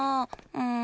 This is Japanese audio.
うん。